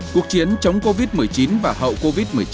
cuộc chiến chống covid một mươi chín và hậu covid một mươi chín